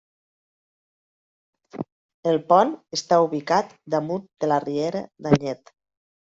El pont està ubicat damunt de la riera d'Anyet.